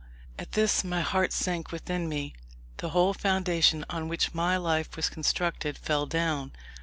At this my heart sank within me: the whole foundation on which my life was constructed fell down.